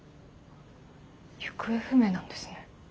行方不明なんですね。